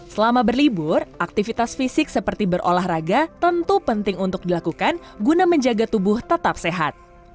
selama berlibur aktivitas fisik seperti berolahraga tentu penting untuk dilakukan guna menjaga tubuh tetap sehat